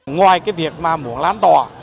ngoài cái việc mà muốn lát tỏ